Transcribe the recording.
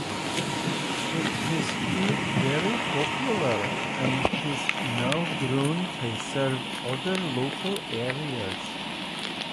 It has proved very popular and has now grown to serve other local areas.